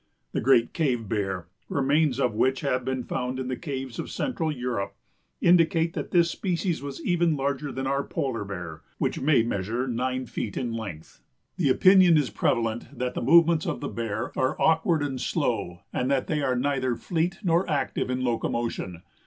The Great Cave Bear, remains of which have been found in the caves of Central Europe, indicate that this species was even larger than our Polar Bear, which may measure nine feet in length. The opinion is prevalent that the movements of the Bear are awkward and slow and that they are neither fleet nor active in locomotion.